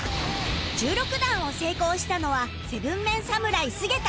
１６段を成功したのは ７ＭＥＮ 侍菅田